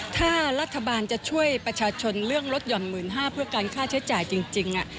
ไม่ต้องซื้อก็ได้